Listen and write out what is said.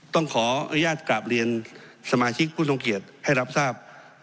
ต้องขออนุญาตกราบเรียนสมาชิกผู้ทรงเกียจให้รับทราบ